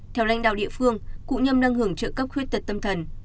theo lãnh đạo địa phương cụ nhâm đang hưởng trợ cấp khuyết tật tâm thần